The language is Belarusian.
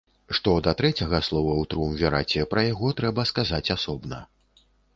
Што да трэцяга слова ў трыумвіраце, пра яго трэба сказаць асобна.